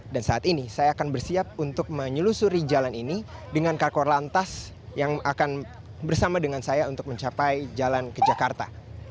dan saat ini saya akan bersiap untuk menyelusuri jalan ini dengan kak korlantas yang akan bersama dengan saya untuk mencapai jalan ke jakarta